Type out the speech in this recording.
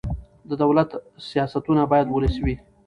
د دولت سیاستونه باید ولسي وي